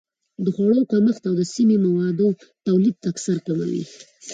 د خوړو کمښت او د سمي موادو تولید تکثر کموي.